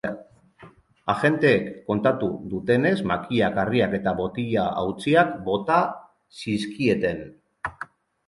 Agenteek kontatu dutenez, makilak, harriak eta botila hautsiak bota zizkieten.